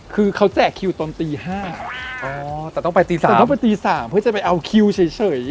คือเขาแจกคิวตอนตี๕แต่ต้องไปตี๓เพื่อจะไปเอาคิวเฉย